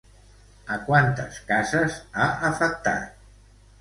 A quantes cases ha afectat?